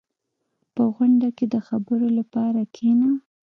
• په غونډه کې د خبرو لپاره کښېنه.